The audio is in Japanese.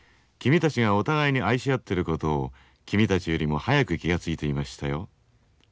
君たちがお互いに愛し合っていることを君たちよりも早く気が付いていましたよ。